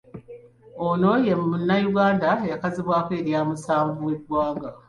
Ono ye Munnayuganda eyakazibwako erya, “Musanvu w’eggwanga”.